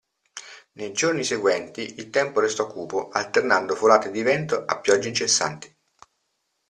Nei giorni seguenti, il tempo resto cupo, alternando folate di vento a piogge incessanti.